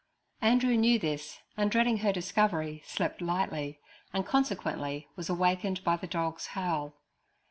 Andrew knew this, and dreading her discovery, slept lightly, and consequently was awakened by the dog's howl.